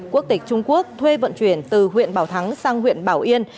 quốc tịch trung quốc thuê vận chuyển từ huyện bảo thắng sang huyện bảo yên